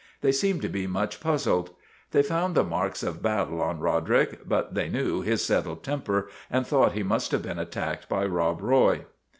They seemed to be much puzzled. They found the marks of battle on Roderick; but they knew his settled temper and thought he must have been attacked by Rob Roy.